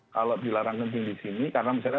kalau dilarang kencing disini karena misalnya